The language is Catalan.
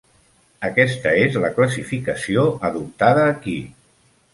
Aquesta és la classificació adoptada aquí.